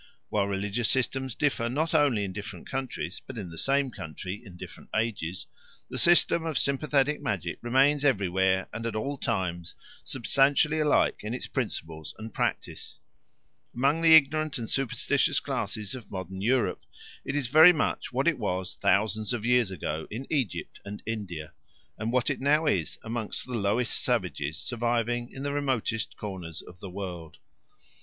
While religious systems differ not only in different countries, but in the same country in different ages, the system of sympathetic magic remains everywhere and at all times substantially alike in its principles and practice. Among the ignorant and superstitious classes of modern Europe it is very much what it was thousands of years ago in Egypt and India, and what it now is among the lowest savages surviving in the remotest corners of the world.